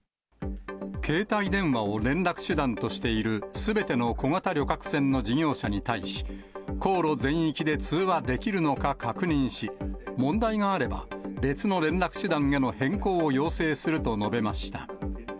携帯電話を連絡手段としている、すべての小型旅客船の事業者に対し、航路全域で通話できるのか確認し、問題があれば、別の連絡手段への変更を要請すると述べました。